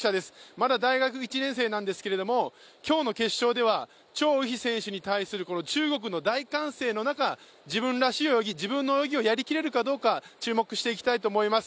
まだ大学１年生なんですけども、今日の決勝では張雨霏選手に対する中国の大歓声の中、自分らしさ、自分の泳ぎをやりきれるかどうか注目していきたいと思います。